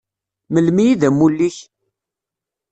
Melmi i d amulli-k?